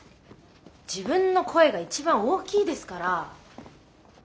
自分の声が一番大きいですから。